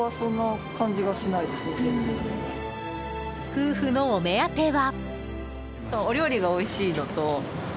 夫婦のお目当ては。